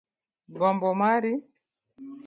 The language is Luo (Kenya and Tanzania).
Gombo mari.